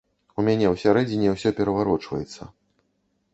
У мяне ўсярэдзіне ўсё пераварочваецца.